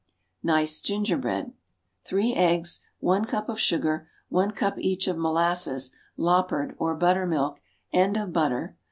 Nice Gingerbread. Three eggs. One cup of sugar. One cup each of molasses, "loppered" or buttermilk, and of butter.